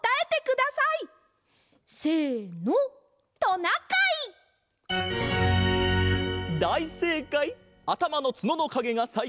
だいせいかい！